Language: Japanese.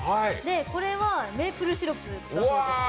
これはメープルシロップだそうです。